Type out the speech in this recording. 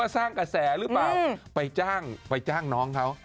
สร้างกระแสหรือเปล่าไปจ้างน้องเขา